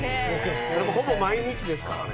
ほぼ毎日ですからね。